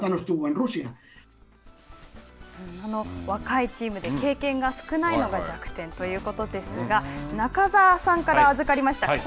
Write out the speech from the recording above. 若いチームで経験が少ないのが弱点ということですが中澤さんから預かりました